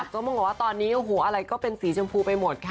ต้องบอกว่าตอนนี้โอ้โหอะไรก็เป็นสีชมพูไปหมดค่ะ